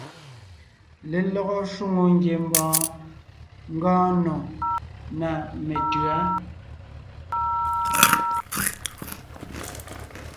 Lelɔgɔ shwòŋo ngiembɔɔn ngɔɔn nò ná metʉ̌a.